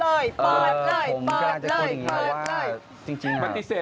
เปิดเลยเปิดเลย